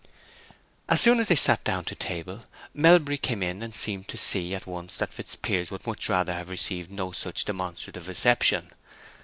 As soon as they sat down to table Melbury came in, and seemed to see at once that Fitzpiers would much rather have received no such demonstrative reception.